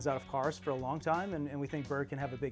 kota kota yang menarik di indonesia